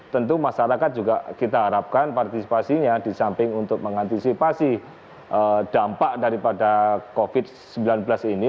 tentu masyarakat juga kita harapkan partisipasinya di samping untuk mengantisipasi dampak daripada covid sembilan belas ini